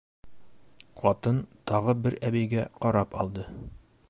Ҡатын тағы бер әбейгә ҡарап алды.